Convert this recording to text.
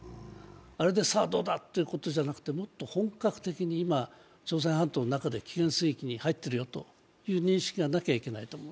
あれで、さあどうだということじゃなくて、もっと本格的に朝鮮半島の中で危険水域に入ってるよと言わないといけない。